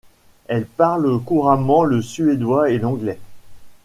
Elle parle couramment le suédois et l'anglais.